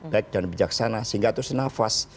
baik dan bijaksana sehingga itu senafas